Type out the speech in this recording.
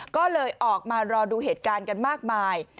ก็เลยออกมารอดูเหตุการณ์กันมากมาย